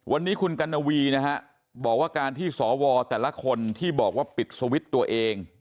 วันนี้คุณกัณวีนะฮะบอกว่าการที่สวแต่ละคนที่บอกว่าปิดสวิตช์ตัวเอง